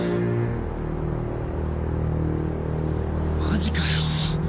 マジかよ！？